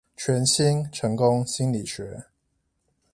全新成功心理學